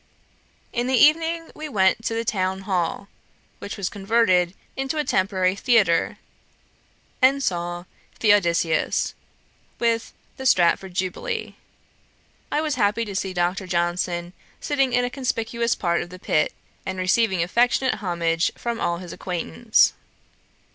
In the evening we went to the Town hall, which was converted into a temporary theatre, and saw Theodosius, with The Stratford Jubilee. I was happy to see Dr. Johnson sitting in a conspicuous part of the pit, and receiving affectionate homage from all his acquaintance.